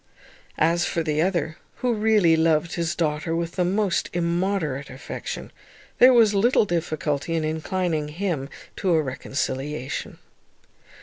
As for the other, who really loved his daughter with the most immoderate affection, there was little difficulty in inclining him to a reconciliation.